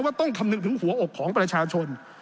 ต้องคำนึงถึงหัวอกของประชาชน